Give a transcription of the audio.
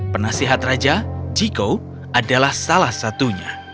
penasihat raja jiko adalah salah satunya